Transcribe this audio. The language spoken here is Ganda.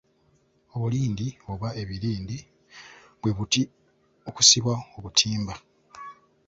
Obulindi oba ebirindi bwe buti okusibwa obutimba.